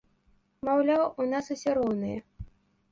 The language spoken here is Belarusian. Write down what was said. Маўляў, у нас усе роўныя.